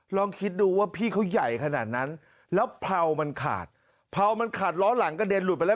ลองคิดดูว่าพี่เขาใหญ่ขนาดนั้นแล้วเผามันขาดเผามันขาดล้อหลังกระเด็นหลุดไปแล้ว